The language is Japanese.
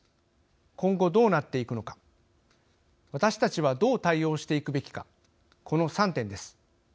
今後どうなっていくのか私たちはどう対応していくべきかこの３点です。